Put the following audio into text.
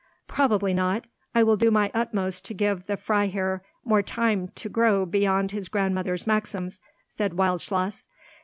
"Probably not; I will do my utmost to give the Freiherr there time to grow beyond his grandmother's maxims," said Wildschloss.